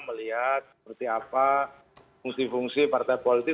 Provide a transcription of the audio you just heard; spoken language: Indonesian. melihat seperti apa fungsi fungsi partai politik